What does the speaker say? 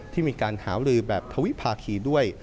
ที่มีการหารือแบบทวิภาคีด้วย